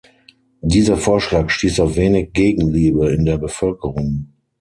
Dieser Vorschlag stieß auf wenig Gegenliebe in der Bevölkerung.